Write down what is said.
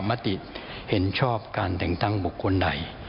รัฐธรรมนุนเห็นชอบการแต่งตั้งบุคคลใด